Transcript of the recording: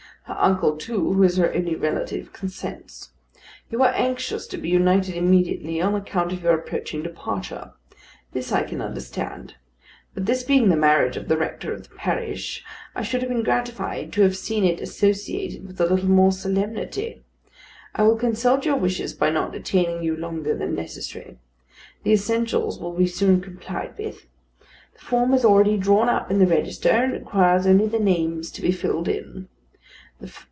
Her uncle, too, who is her only relative, consents. You are anxious to be united immediately on account of your approaching departure. This I can understand; but this being the marriage of the rector of the parish, I should have been gratified to have seen it associated with a little more solemnity. I will consult your wishes by not detaining you longer than necessary. The essentials will be soon complied with. The form is already drawn up in the register, and it requires only the names to be filled in.